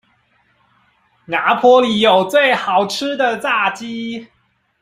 拿坡里有最好吃的炸雞